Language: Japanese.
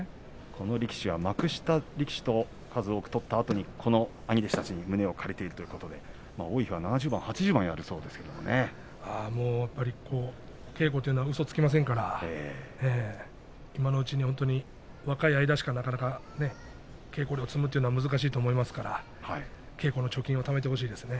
この力士は幕下力士と数多く取ったあとにこの兄弟子たちに胸を借りているということで多い日は稽古というのはうそをつきませんから今のうちに本当に若い間でしか、なかなかね稽古量を積むというのは難しいと思いますから稽古の貯金をためてほしいですね。